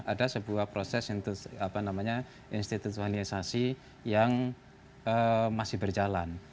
ada sebuah proses institusionalisasi yang masih berjalan